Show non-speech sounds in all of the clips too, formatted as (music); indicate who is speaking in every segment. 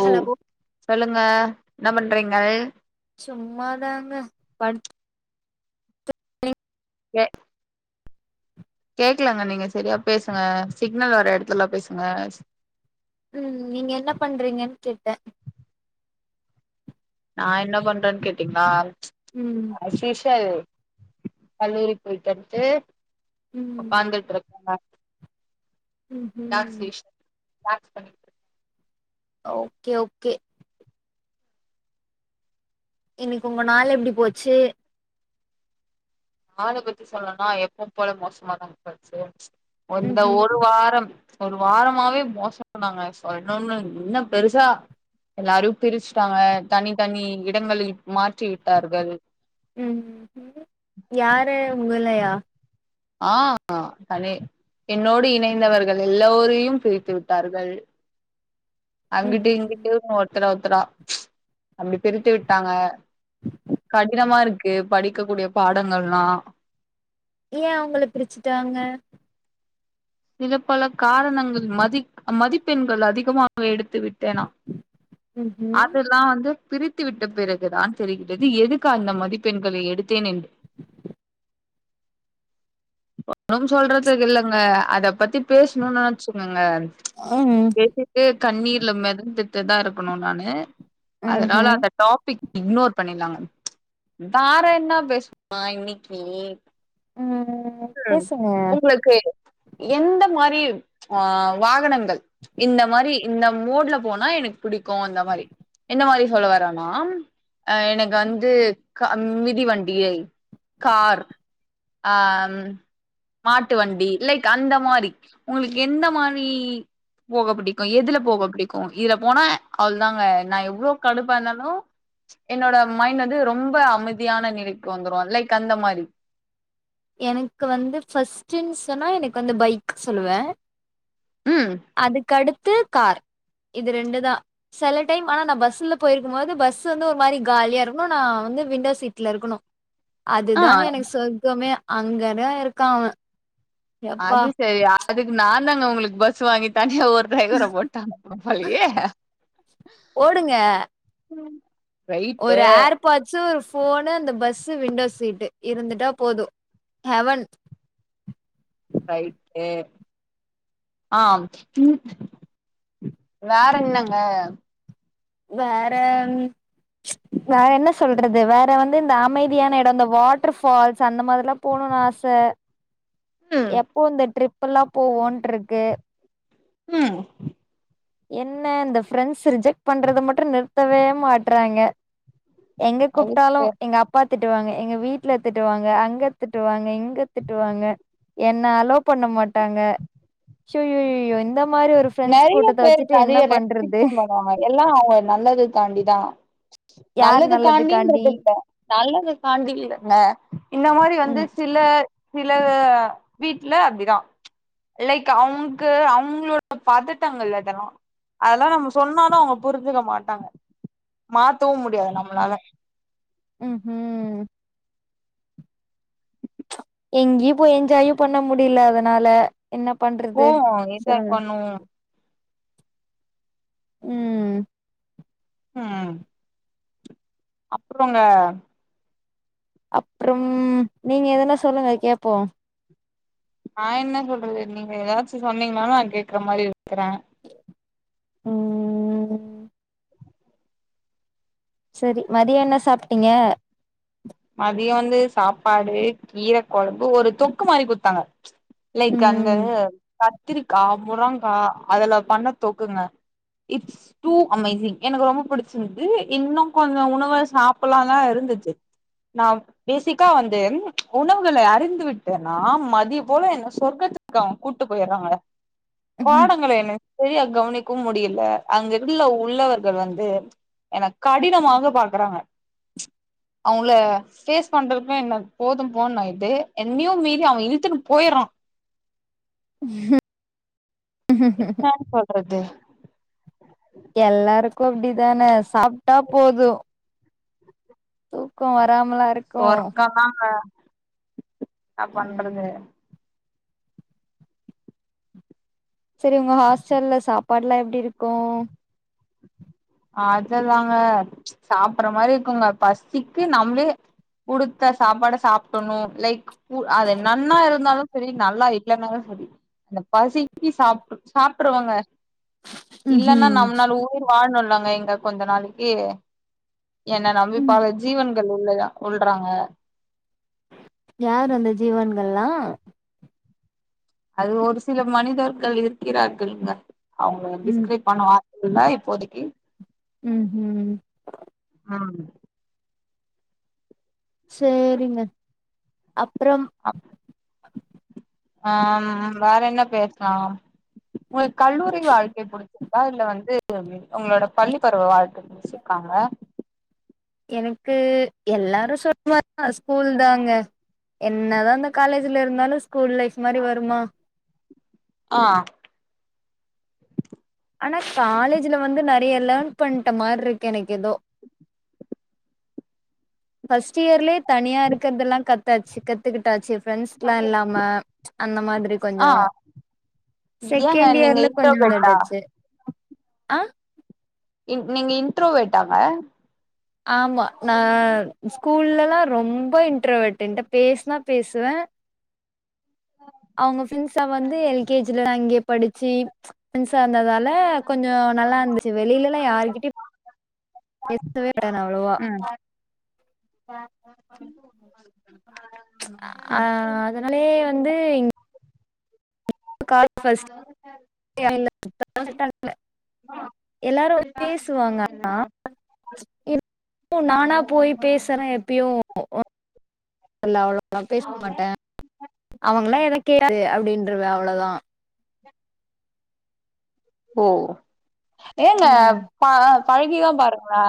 Speaker 1: ஓ
Speaker 2: hello
Speaker 1: சொல்லுங்க என்ன பண்றீங்கள்
Speaker 2: சும்மா தாங்க படு
Speaker 1: எ கேக்கலங்க நீங்க செரியா பேசுங்க சிக்னல் வர இடத்துலலாம் பேசுங்க
Speaker 2: ம் நீங்க என்ன பண்றீங்கன்னு கேட்டன்
Speaker 1: நான் என்ன பண்றேன்னு கேட்டீங்களா
Speaker 2: ம்
Speaker 1: அஸ்சுஷ்வல் கல்லூரி போய்ட்டு வன்டு
Speaker 2: ம்
Speaker 1: உக்காந்துட்டிருக்கோம் டார்க்
Speaker 2: ம்ஹும்
Speaker 1: ஃபிஸ் டார்க் பண்ணிட்டு இருக்கே.
Speaker 2: ஓகே ஓகே இன்னைக்கு உங்க நாள் எப்டி போச்சு
Speaker 1: ஆத பத்தி சொல்லனுனா எப்ப போல மோசமாதா போச்சு அந்த
Speaker 2: ம்ஹும்
Speaker 1: ஒரு வாரம் ஒரு வாரமாவே மோச மாங்க சொல்ணும்னு என்ன பெருசா எல்லாரு பிரிச்சுட்டாங்க தனி தனி இடங்களில் மாற்றி விட்டார்கள்
Speaker 2: ம் ம் யார உங்களயா
Speaker 1: ஆ தனி என்னோடு இணைந்தவர்கள் எல்லோரையும் பிரித்து விட்டார்கள் அங்கிட்டு
Speaker 2: ம்ஹும்
Speaker 1: இங்கிட்டு ஒருத்தர் ஒருத்தரா அப்படி பிரித்து விட்டாங்க கடினமா இருக்கு படிக்கக்கூடிய பாடங்கள்லா
Speaker 2: ஏ அவங்கள பிரிச்சுட்டாங்க
Speaker 1: சில பல காரணங்கள் மதி மதிப்பெண்கள் அதிகமாக எடுத்து விட் தேனோ
Speaker 2: ம்ஹும்
Speaker 1: ஆப்பில் வந்து பிரித்து விட்ட பிறகுதான் தெரிகிறது எதுக்கு அந்த மதிப்பெண்களை எடுத்தேன் என்று ஒன்னு சொல்றதுக்கு இல்லங்க அதை பத்தி பேசணுனு வச்சுக்கோங்க
Speaker 2: ம்
Speaker 1: பேசி கண்ணீர்ல மிதந்துட்டுதா இருக்கணு நானு அதனால
Speaker 2: ம்ஹும்
Speaker 1: அத டாபிக் இக்னோர் பண்ணிட்லாங்க வேற என்னா பேசமா இன்னைக்கி
Speaker 2: ம்
Speaker 1: ம்
Speaker 2: பேசுங்க
Speaker 1: உங்களுக்கு எந்த மாரி ஆ வாகனங்கள் இந்த மாரி இந்த மூட்ல போனா எனக்கு புடிக்கு அந்த மாரி என்ன மாரி சொல்ல வரனா அ எனக்கு வந்து க மிதி வண்டியை கார் அ ம் மாட்டு வண்டி லைக் அந்த மாரி உங்களுக்கு எந்த மாரி போக பிடிக்கு எதுல போக பிடிக்கு இதுல போனா அவ்ளதாங்க நா எவ்ளோ கடுப்பானாலு என்னோட மைண்ட் வந்து ரொம்ப அமைதியான நிலைக்கு வந்துரு லைக் அந்த மாரி
Speaker 2: எனக்கு வந்து ஃபர்ஸ்ட்டுன் சொன்னா எனக்கு வந்து பைக் சொல்லுவ
Speaker 1: ம்
Speaker 2: அதுக்கு அடுத்து கார் இது ரெண்டுதா சில டைம் ஆனா நா பஸ்ல போயிருக்கு போது பஸ் வந்து ஒரு மாரி காலியா இருக்கணு நா வந்து விண்டோ சீட்ல இருக்கணு
Speaker 1: ஆ
Speaker 2: அதுதாங்க எனக்கு சொர்க்கமே அங்கதா இருக்கா அவ
Speaker 1: அது சரி அதுக்கு நா தாங்க உங்களுக்கு பஸ் வாங்கி தனியா ஒரு டிரைவர போட்டாங்க போலயே
Speaker 2: ஓடுங்க.
Speaker 1: ம்
Speaker 2: ஒரு ஏர் பாட்சு ஒரு ஃபோனு அந்த பஸ்ஸு விண்டோ சீட்டு இருந்துட்டா போது ஹெவன்
Speaker 1: ரைட்டு ஆ வேற என்னங்க
Speaker 2: வேற ம் வேற என்ன சொல்றது வேற வந்து இந்த அமைதியான இடம் இந்த வாட்டர் ஃபால்ஸ் அந்த மாரிலா போணுன் ஆச
Speaker 1: (inaudible)
Speaker 2: எப்போ இந்த ட்ரிப்ல்லா போவோன்ட்ருக்கு
Speaker 1: ம்
Speaker 2: என்ன இந்த ஃப்ரெண்ட்ஸ் ரிஜெக்ட் பண்றத மட்டு நிறுத்தவே மாட்றாங்க எங்க கூப்ட்டாலு
Speaker 1: அதுக்கு
Speaker 2: எங்க அப்பா திட்டுவாங்க எங்க வீட்ல திட்டுவாங்க அங்க திட்டுவாங்க இங் திட்டுவாங்க என்ன அலோ பண்ண மாட்டாங்க சு யய்யயோ இந்த இந் மாரி ஒரு ஃபிரெண்ட்ஸ்
Speaker 1: நெறைய
Speaker 2: கூட்டத்த வ
Speaker 1: பேர் நெறைய ரெஸ்ட்ரிக்க்ஷன் பண்ணுவாங்க எல்லா அவங்க நல்லது காண்டிதா
Speaker 2: யார்
Speaker 1: நல்லது
Speaker 2: நல்லதுக்காண்டி
Speaker 1: காண்டின்றது இல்ல நல்லது காண்டில்லங்க இந்த மாரி வந்து
Speaker 2: ம்
Speaker 1: சில சில வீட்ல அப்டிதா லைக் அவங்க்கு அவங்களோட பதட்டங்கள் இதெல்லா அதெலா நம்ம சொன்னாலு அவங்க புரிஞ்சுக்க மாட்டாங்க மாத்தவு முடியாது நம்மளால
Speaker 2: ம்ஹும் எங்கியு போய் என்ஜாயு பண்ண முடில அதனால என்ன பண்றது
Speaker 1: போவோ என்ஜாய்
Speaker 2: சொல்லுங்க
Speaker 1: பண்ணுவோ
Speaker 2: ம்
Speaker 1: ம் அப்றோங்க
Speaker 2: அப்றம் நீங்க எதனா சொல்லுங்க கேப்போ
Speaker 1: நா என்ன சொல்றது நீங்க ஏதாச்சு சொன்னீங்ன்னாலு நா கேக்குற மாரி இருக்கற
Speaker 2: ம் செரி மதிய என்ன சாப்ட்டீங்க
Speaker 1: மதியோ வந்து சாப்பாடு கீரக்கொழம்பு ஒரு தொக்கு மாரி குத்தாங்க லைக் அ ந்த
Speaker 2: ம்
Speaker 1: கத்திரிக்கா முறங்கா அதுல பண்ண தொக்குங்க இட்ஸ் டூ அமைசிங் எனக்கு ரொம்ப புடிச்சிந்து இன்னு கொஞ்சோ உணவ சாப்பட்ல்லா தா இருந்துச்சு நா பேசிக்கா வந்து உணவுகள அறிந்து விட்டன்னா மதிய போல என்ன சொர்க்கத்துக் கு அவுங் கூட்டு போயட்றாங்க பாடங்கள என்ன சரியா கவனிக்கவு முடியல அங்கிள்ள உள்ளவர்கள் வந்து என்ன கடினமாக பாக்குறாங்க அவுங்கள ஃபேஸ் பண்றதுக்குமே என்ன போதும் போன்னு ஆயிடுது என்னையும் மீறி அவ இழுத்துன்னு போயறா
Speaker 2: (inaudible)
Speaker 1: என்னானு சொல்றது
Speaker 2: எல்லாருக்கு அப்டி தான சாப்ட்டா போது தூக்கோ வராமலா இருக்
Speaker 1: ஒற்கோதாங்க என்ன
Speaker 2: ம்
Speaker 1: பண்றது
Speaker 2: சரி உங்க ஹாஸ்டல்ல சாப்பாடுல்லா எப்டி இருக்கு
Speaker 1: அததாங்க சாப்பற மாரி இருக்குங்க பசிக்கு நம்ளே குடுத்த சாப்பாட சாப்ட்டணும் லைக் அது நன்னா இருந்தாலு சரி நல்லா இல்லன்னாலு சரி அந்த பசிக்கு சாப்ட்டு சாப்ட்ருவங்க இல்லன்னா
Speaker 2: ம்ஹும்
Speaker 1: நம்னால உயிர் வாழ்ணுல ங்க இங்க கொஞ்ச நாளைக்கு என்ன நம்பி பல ஜீவன்கள் உள்ளன உள்றாங்க
Speaker 2: யாரு அந்த ஜீவன்கள்ல்லா
Speaker 1: அது ஒரு சில மனிதர்கள் இருக்கிறார்கள்ங்க அவுங்க
Speaker 2: ம்
Speaker 1: டிஸ்கரைப் பண்ண வார்த்தை இல்ல இப்போதைக்கு
Speaker 2: ம்ஹும்
Speaker 1: ம்
Speaker 2: சேரிங்க அப்றம்
Speaker 1: அப் ஆ ம் வேற என்ன பேசலாம் உங்களுக்கு கல்லூரி வாழ்க்கை புடிச்சிரு ச்சா இல்ல வந்து உங்களோட பள்ளி பருவ வாழ்க்க புடிச்சிருக்காங்க
Speaker 2: எனக்கு எல்லாரு சொல்றமாரிதா ஸ்கூல் தாங்க என்னதான் இந்த காலேஜ்ல இருந்தாலு ஸ்கூல் லைஃப் மாரி வருமா
Speaker 1: ஆ
Speaker 2: ஆனா காலேஜ்ல வந்து நறைய லேர்ன் பண்ட்ட மார்ருக்கு எனக்கு எதோ ஃபர்ஸ்ட் இயர்லே தனியா இருக்கறதெல்லா கத்தாச்சு கத்துகிட்டாச்சு ஃப்ரெண்ட்ஸ்லா இல்லாம அந்த மாதிரி
Speaker 1: ஆ
Speaker 2: கொஞ்சோ
Speaker 1: ஏங்க
Speaker 2: செகெண்ட்
Speaker 1: நீங்க
Speaker 2: இயர்ல கொஞ்சோ
Speaker 1: இன்ட்ரோவேட்டா
Speaker 2: வந்துடுச்சு ஆ
Speaker 1: இன் நீங்க இன்ட்ரோவெர்டாங்க
Speaker 2: ஆமா நான் ஸ்கூல்லல்லா ரொம்ப இன்ட்ரோவெர்ட் என்ட பேசுனா பேசுவ அவுங்க ஃப்ரெண்ட்ஸா வந்து எல் கே ஜில அங்கேயே படிச்சு ஃபிரண்ட்ஸா இருந்ததால கொஞ்சோ நல்லா இருந்துச்சு வெளிலல்லா யார்கிட்டயு பேசவே மாட்ட நா அவ்ளோவா
Speaker 1: ம்
Speaker 2: ஆ
Speaker 1: ம்.
Speaker 2: அதனாலயே வந்து காலே ஃபர்ஸ்ட்
Speaker 1: (unintelligible)
Speaker 2: இல்ல (unintelligible) ரிட்டன் இல்ல எல்லாரு வந்து பேசுவாங்க ஆனா இப் நானா போய் பேசுறே எப்பயும் இல்ல அவ்ளோலா பேசமாட்டே அவங்கல்லா ஏதா கேட்டு அப்டின்றுவே அவ்ளோதா
Speaker 1: ஓ ஏங்க ப பழகிதா பாருங்களே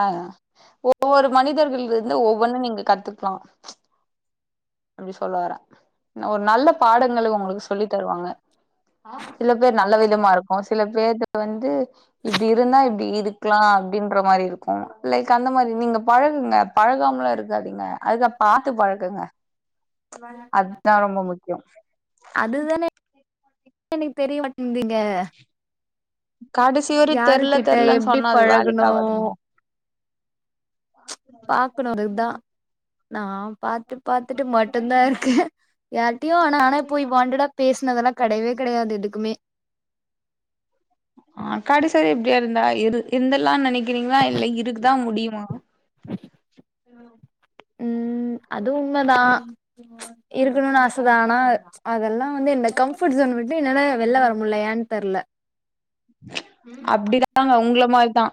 Speaker 1: ஒவ்வொரு மனிதர்கள் இருந்து ஒவ்வொன்னு நீங்க கத்துக்கலா அப்டி சொல்லவாரே ஒரு நல்ல பாடங்களை உங்களுக்கு சொல்லி தருவாங்க சில பேர்
Speaker 2: ம்.
Speaker 1: நல்ல விதமா இருக்கு சில பேர்து வந்து இப்டி இருந்தா இப்டி இருக்கலா அப்டின்ற மாரி இருக்கு லைக் அந்த மாதிரி நீங்க பழகுங்க பழகாமலா இருக்காதீங்க அதுதா பாத்து பழக்குங்க அத்தா ரொம்ப முக்கியோ
Speaker 2: அதுதானே எனக்கு தெரிய மாட்டுந்தீங்க
Speaker 1: காடெசிய
Speaker 2: யாரு கிட்ட எப்டி பழகணு
Speaker 1: ஆவாதுங்க
Speaker 2: பாகணு அதுதா நா பாத்துப் பாத்துட்டு மட்டும்தா இருக்கே யாரிட்டேயு ஆனா நானே போய் வாண்டடா பேச னதெல்ல கெடையவே கெடையாது எதுக்குமே
Speaker 1: ஆ கடசிவர இப்டியே இருந்தா இரு இருந்துருலானு நெனைக்கிறீங்களா இல்ல இருக்தா முடியுமா ம்
Speaker 2: ம் அது உண்மதா இருக்கணுனு ஆசதா ஆனா அதெல்லா வந்து இந்த கம்ஃபர்ட் சோன் விட்டு என்னால வெள்ல வர முல்ல யேன்னு தெர்ல
Speaker 1: ம் அப்டிதாங்க உங்கள மாறிதா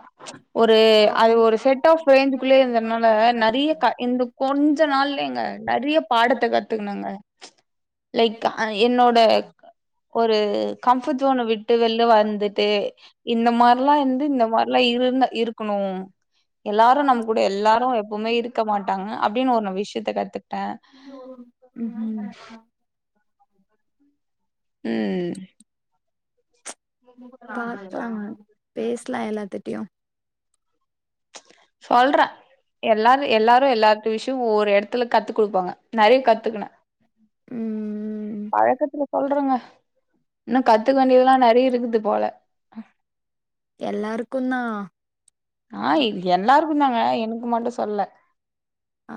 Speaker 1: ஒரு அது ஒரு செட் ஆஃப் ரேன்ஞ்குள்ளயே இருந்ததுனால நெறிய க இந்த கொஞ்ச நாள்லேங்க நெறிய பாடத்த கத்துக்கனங்க லைக் ஐ என்னோட ஒரு கம்ஃபர்ட் ஜோனை விட்டு வெளில வந்துட் டு இந்த மாரிலா இருந்து இந்த மாரிலா இருந்த இருக்குணு எல்லாரு நம்ம கூட எல்லாரு எப்பவுமே இருக்க மாட்டாங்க அப்டின்னு ஒரு நா விஷயத்த கத்துக்கிட்டே
Speaker 2: ம்ஹூம்
Speaker 1: ம்
Speaker 2: பாப்பாங் பேசலா எல்லாத்திட்டயு
Speaker 1: சொல்றே எல்லாரு எல்லாரு எல்லாத் விஷயோ ஒரு எடத்துல கத்து குடுப்பாங்க நெறைய கத்துக்குனே
Speaker 2: ம்
Speaker 1: பழக்கத்துல சொல்றேங்க இன்னு கத்துக்க வேண்டியதல்லா நெறைய இருக்குது போல
Speaker 2: எல்லாருக்கு தா
Speaker 1: ஆ எல்லாருக்கு தாங்க எனக்கு மட்டு சொல்லல
Speaker 2: ஆ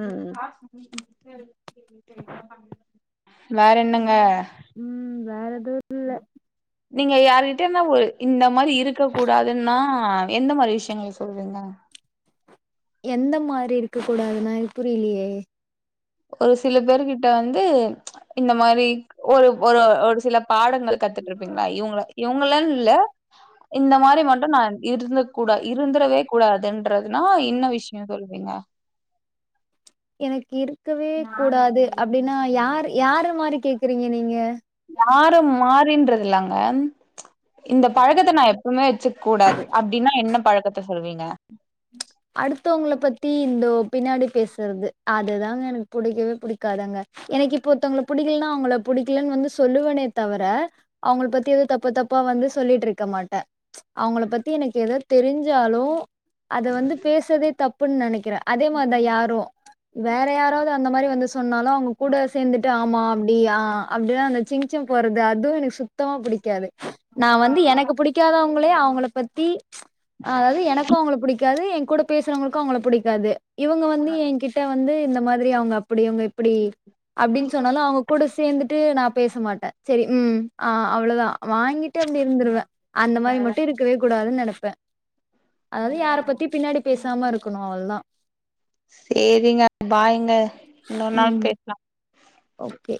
Speaker 1: ம் வேற என்னங்க
Speaker 2: ம் வேற எது இல்ல
Speaker 1: நீங்க யாருகிட்ட இருந்தோ ஒரு இந்த மாறி இருக்க கூடாதுன்னா எந்த மாறி விஷயங்கள் சொல்லுவீங்க
Speaker 2: எந்த மாறி இருக்க கூடாதுன்னா எனக்கு புரியலயே
Speaker 1: ஒரு சில பேரு கிட்ட வந்து இந்த மாரி ஒரு ஒரு ஒரு சில பாடங்கள் கத்துட்டு இருப்பீங்களா இவ்ங்கள இவ்ங்களன்னு இல்ல இந்த மாறி மட்டு நான் இருந்த கூடா இருந்தரவே கூடாதுன்றதுன்னா இன்ன விஷ் நீங்க சொல்வீங்க
Speaker 2: எனக்கு இருக்கவே கூடாது அப்டின்னா யார் யாரு மாறி கேக்குறீங்க நீங்க
Speaker 1: யார மாறின்றதில்லங்க இந்தப் பழக்கத்த நா எப் பவுமே வச்சுக்கூடாது அப்டின்னா என்ன பழக்கத்த சொல்வீங்க
Speaker 2: அடுத்தவங்கள பத்தி இந்த ஒ பின்னாடி பேசறது அதுதாங்க எனக்கு புடிக்கவே புடிக்காதுங்க எனக்கு இப்போத்தங்கள புடிக்கலன்னா அவங்கள புடிக்கலன்னு வந்து சொல்லுவனே தவிர அவங்கள பத்தி எதும் தப் பு தப்பா வந்து சொல்லிட்டு இருக்க மாட்டேன் அவங்கள பத்தி எனக்கு எதோ தெரிஞ்சாலு அத வந்து பேசவே தப்புன்னு நெனைக்கிறேன் அதே மாரிதான் யாரும் வேற யாராவ்து அந்த மாரி வந்து சொன்னாலும் அவங்க கூட சேந்துட்டு ஆமா அப்படி ஆ அப்டின்னு அந்த சிங் சங் போட்றது அதுவும் எனக்கு சுத்தமா புடிக்காது நா வந்து எனக்கு புடிக் க்காதவங்களே அவுங்கள பத்தி அ அதாவது எனக் க்கு அவுங்கள புடிக்காது என் கூட பேசறவங்களுக்கும் அவுங்கள புடிக்காது இவுங்க வந்து என்கிட்ட வந்து இந்த மாதிரி அவுங்க அப்படி இவுங்க இப்டி அப்படின்னு சொன்னாலும் அவங்கக் கூட சேந்துட்டு நா பேச மாட்டேன் சரி ம் ஆ அவ்வளதா வாங்கிட்டு அப்டி இருந்துருவேன் அந்த மாரி மட்டும் இருக்கவே கூடாதுன்னு நெனப்பேன் அதாவது யார பத்தியும் பின்னாடி பேசாம இருக்கணும் அவ்ள்தா
Speaker 1: சேரிங்க பாய்ங்க இன்னொரு நாள்
Speaker 2: ம்.
Speaker 1: பேசலா
Speaker 2: ஓகே